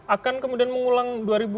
akan kemudian mengulang dua ribu sembilan belas